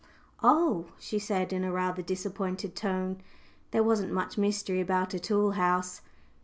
"Oh," she said in a rather disappointed tone. There wasn't much mystery about a tool house!